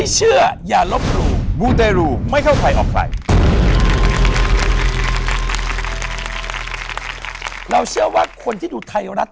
เราเชื่อว่าคนที่ดูไทยโอนัส